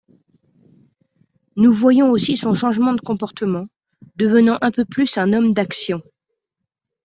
Nous voyons aussi son changement de comportement, devenant un peu plus un homme d'action.